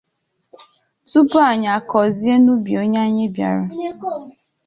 tupu anyị akọzie n'ubi onye anyị bịara.